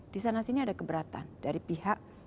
disana sini ada keberatan dari pihak